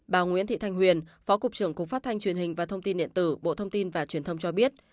bà nguyễn thị thanh huyền phó cục trưởng cục phát thanh truyền hình và thông tin điện tử bộ thông tin và truyền thông cho biết